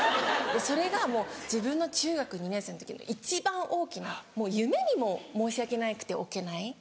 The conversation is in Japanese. それがもう自分の中学２年生の時の一番大きな夢にも申し訳なくて置けない。